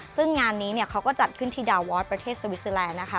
ซึ่งงานนี้เขาก็จัดขึ้นที่ดาวอสประเทศสวิสเซอร์แลนด์นะคะ